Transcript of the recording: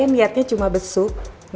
saya niatnya cuma besuk anaknya